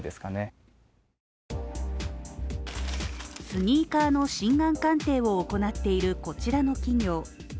スニーカーの真贋鑑定を行っているこちらの企業。